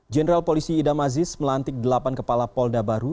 jenderal polisi idam aziz melantik delapan kepala polda baru